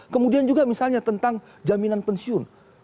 kemudian juga misalnya tentang jaminan pensiun